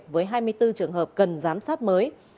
với hai mươi bốn trường hợp cần giám sát mới